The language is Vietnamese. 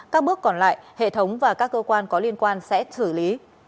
các bước còn lại hệ thống và các cơ quan có liên quan sẽ xử lý